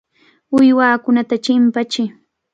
Uywakunata chimpachiy.